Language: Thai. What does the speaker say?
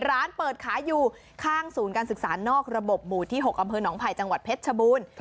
ร้านเปิดขายอยู่ข้างศูนย์การศึกษานอกระบบหมู่ที่๖อำเภอหนองไผ่จังหวัดเพชรชบูรณ์